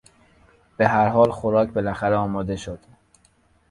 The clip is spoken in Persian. به هر حال خوراک بالاخره آماده شد.